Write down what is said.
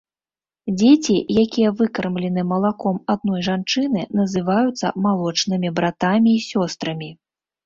Дзеці, якія выкармлены малаком адной жанчыны, называюцца малочнымі братамі і сёстрамі.